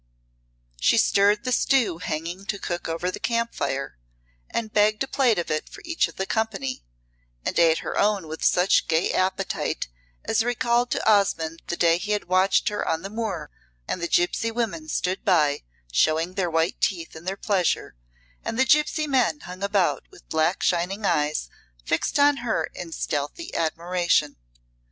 She stirred the stew hanging to cook over the camp fire, and begged a plate of it for each of the company, and ate her own with such gay appetite as recalled to Osmonde the day he had watched her on the moor; and the gipsy women stood by showing their white teeth in their pleasure, and the gipsy men hung about with black shining eyes fixed on her in stealthy admiration.